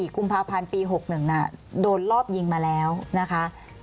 กุมภาพันธ์ปี๖๑โดนรอบยิงมาแล้วนะคะ